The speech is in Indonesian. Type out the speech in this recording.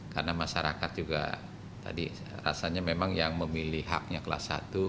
karena masyarakat juga tadi rasanya memang yang memilih haknya kelas satu